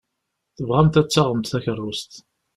Tebɣamt ad d-taɣemt takeṛṛust.